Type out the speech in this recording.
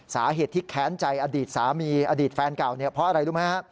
สาเหตุที่แค้นใจอดีตสามีอดีตแฟนเก่าเนี่ยเพราะอะไรรู้ไหมฮะ